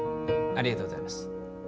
ありがとうございます。